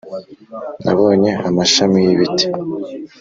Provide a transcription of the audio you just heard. nabonye amashami y'ibiti